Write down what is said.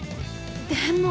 でも。